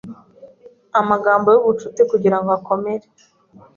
Amagambo y'ubucuti kugirango akomere